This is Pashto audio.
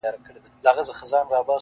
• نجلۍ پر سر دي منګی مات سه,